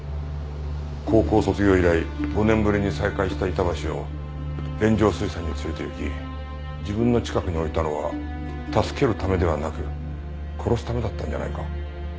高校卒業以来５年ぶりに再会した板橋を連城水産に連れていき自分の近くに置いたのは助けるためではなく殺すためだったんじゃないか。